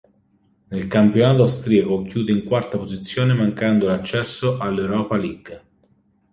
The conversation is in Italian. Nel campionato austriaco chiude in quarta posizione mancando l'accesso alla Europa League.